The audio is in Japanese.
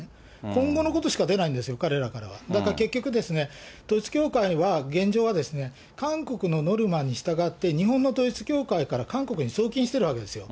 今後のことしか出ないんですよ、彼らからは。だから結局ですね、統一教会は現状は韓国のノルマに従って、日本の統一教会から韓国に送金してるわけですよ。